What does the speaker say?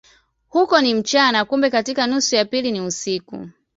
Huko ni mchana, kumbe katika nusu ya pili ni usiku.